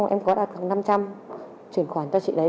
em có đặt cọc năm trăm linh chuyển khoản cho chị đấy